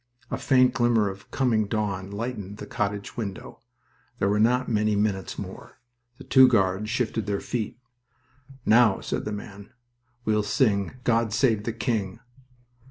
A faint glimmer of coming dawn lightened the cottage window. There were not many minutes more. The two guards shifted their feet. "Now," said the man, "we'll sing 'God Save the King.'"